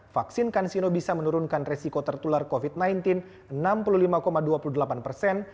vaksin kansino bisa menurunkan resiko tertular covid sembilan belas enam puluh lima dua puluh delapan persen